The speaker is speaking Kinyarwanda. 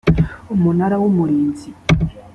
umunara w’ umurinzi